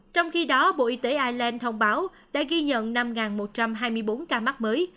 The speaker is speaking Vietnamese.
trong khi đó bộ y tế ireland thông báo đã ghi nhận năm một trăm hai mươi bốn ca mắc mới